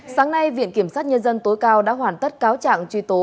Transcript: sáng nay viện kiểm sát nhân dân tối cao đã hoàn tất cáo trạng truy tố